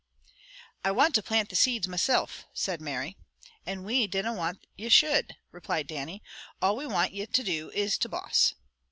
"I want to plant the seeds mesilf," said Mary. "And we dinna want ye should," replied Dannie. "All we want ye to do, is to boss."